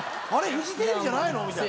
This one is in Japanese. フジテレビじゃないの？みたいな。